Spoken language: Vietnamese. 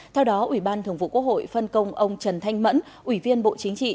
theo đó ủy ban thường vụ quốc hội phân công ông trần thanh mẫn ủy viên bộ chính trị